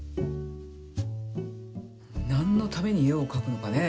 なんのためにえをかくのかね。